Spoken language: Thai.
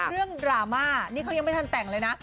ดราม่านี่เขายังไม่ทันแต่งเลยนะ